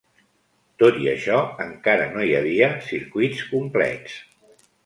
Tot i això encara no hi havia circuits complets.